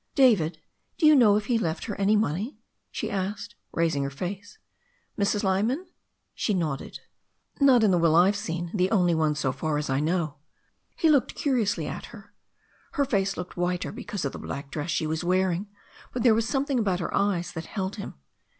"David, do you know if he left her any money?" she asked, raising her face. "Mrs. Lyman?" She nodded. "Not in the will I've seen, the only one so far as I know." He looked curiously at her. Her face looked whiter because of the black dress she was wearing, but there was something about her eyes that held him.